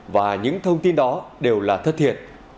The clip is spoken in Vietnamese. và những thông tin đó đều là thất thiệt